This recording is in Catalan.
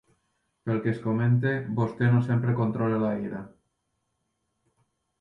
Pel que es comenta, vostè no sempre controla la ira.